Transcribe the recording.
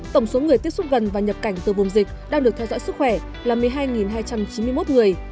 tổng số người tiếp xúc gần và nhập cảnh từ vùng dịch đang được theo dõi sức khỏe là một mươi hai hai trăm chín mươi một người